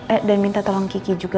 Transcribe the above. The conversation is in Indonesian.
eh dan minta tolong kiki juga